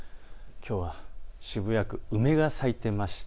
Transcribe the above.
きょうは渋谷区梅が咲いていました。